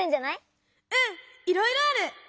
うんいろいろある！